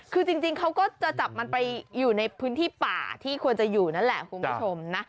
คือจริงเขาก็จะจับมันไปอยู่ในพื้นที่ป่าที่ควรจะอยู่นั่นแหละคุณผู้ชมนะ